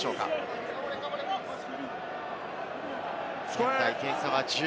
現在、点差は１０。